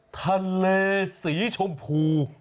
ทะเลสีชมพู